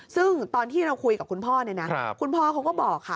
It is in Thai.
ซึ่งตอนที่เราคุยกับคุณพ่อเนี่ยนะคุณพ่อเขาก็บอกค่ะ